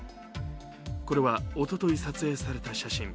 これはおととい撮影された写真。